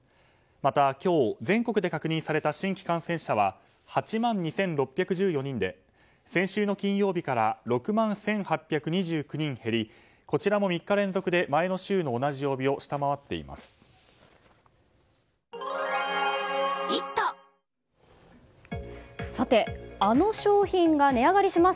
また、今日全国で確認された新規感染者は８万２６１４人で先週の金曜日から６万１８２９人減りこちらも３日連続で前の週の同じ曜日を下回っています。